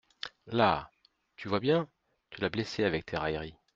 La ! tu vois bien, tu l'as blessé avec tes railleries.